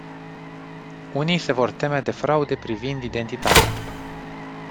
Unii se vor teme de fraude privind identitatea.